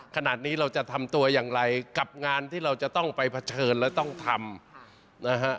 ขนาดนี้เราจะทำตัวอย่างไรกับงานที่เราจะต้องไปเผชิญและต้องทำนะฮะ